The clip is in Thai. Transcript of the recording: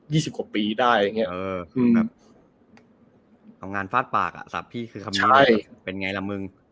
สิบกว่าปีได้อย่างเงี้เออคือแบบเอางานฟาดปากอ่ะสับพี่คือคำนี้ได้เป็นไงล่ะมึง